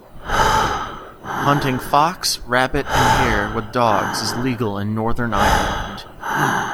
Hunting fox, rabbit and hare with dogs is legal in Northern Ireland.